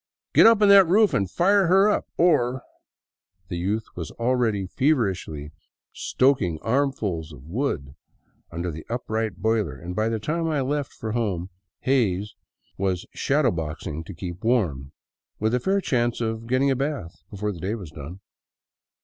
Get up on that roof and fire up or ..." The youth was already feverishly stoking armsful of wood under the upright boiler, and by the time I left for home Hays was shadow boxing to keep warm, with a fair chance of getting a bath before the day was done.